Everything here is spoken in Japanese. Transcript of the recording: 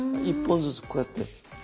１本ずつこうやって。